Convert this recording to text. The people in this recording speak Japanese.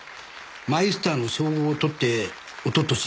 マイスターの称号を取って一昨年帰国。